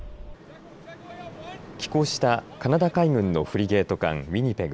寄港したカナダ海軍のフリゲート艦、ウィニペグ。